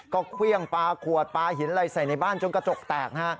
ก็เครื่องปลาขวดปลาหินอะไรใส่ในบ้านจนกระจกแตกนะฮะ